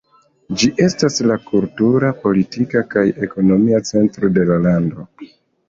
Ĝi estas la kultura, politika kaj ekonomia centro de la lando.